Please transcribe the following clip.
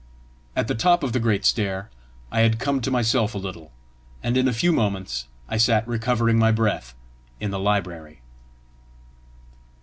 At the top of the great stair I had come to myself a little, and in a few moments I sat recovering my breath in the library.